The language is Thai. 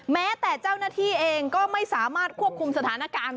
แม้แต่เจ้าหน้าที่เองก็ไม่สามารถควบคุมสถานการณ์